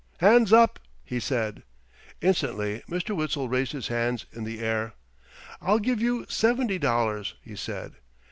"Hands up!" he said. Instantly Mr. Witzel raised his hands in the air. "I'll give you seventy dollars," he said.